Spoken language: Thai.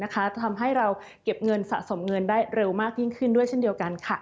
จะทำให้เราเก็บเงินสะสมเงินได้เร็วมากขึ้นด้วย